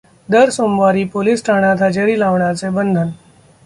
दर सोमवारी पोलीस ठाण्यात हजेरी लावण्याचे बंधन.